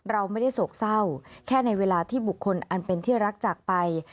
เราไม่ได้โศกเศร้าแค่ในเวลาที่บุคคลอันเป็นที่รักจากไป